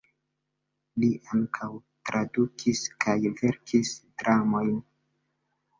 Li ankaŭ tradukis kaj verkis dramojn.